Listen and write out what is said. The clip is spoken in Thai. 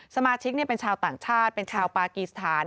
สมาชิกเป็นชาวต่างชาติเป็นชาวปากีสถาน